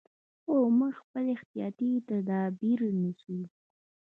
خو موږ خپل احتیاطي تدابیر نیسو.